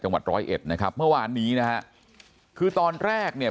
วัดร้อยเอ็ดนะครับเมื่อวานนี้นะฮะคือตอนแรกเนี่ย